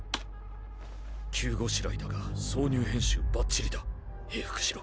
急ごしらえだが挿入編集バッチリだ平伏しろ。